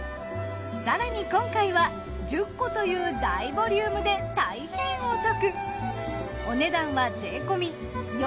更に今回は１０個という大ボリュームでたいへんお得。